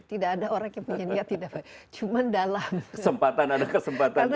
ya kok tidak ada orang yang punya niat tidak baik cuman dalam kesempatan ada kesempatan